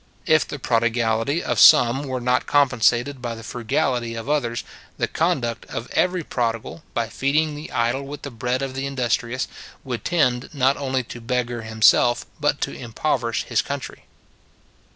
If the prodigality of some were not compensated by the frugality of others, the conduct of every prodigal, by feeding the idle with the bread of the industrious, would tend not only to beggar himself, but to impoverish his country.